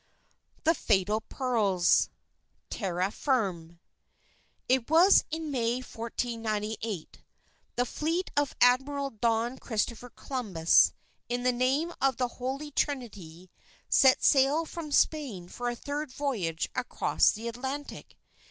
THE FATAL PEARLS Tierra Firme It was in May, 1498. The fleet of Admiral Don Christopher Columbus, in the name of the Holy Trinity, set sail from Spain for a third voyage across the Atlantic.